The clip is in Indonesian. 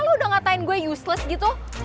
lo udah ngatain gue useless gitu